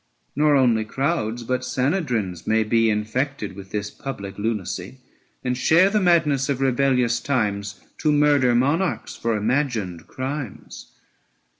Nor only crowds but Sanhedrins may be Infected with this public lunacy, And share the madness of rebellious times, To murder monarchs for imagined crimes.